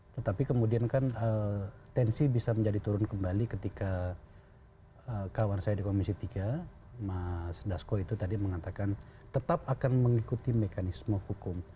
tetapi kemudian kan tensi bisa menjadi turun kembali ketika kawan saya di komisi tiga mas dasko itu tadi mengatakan tetap akan mengikuti mekanisme hukum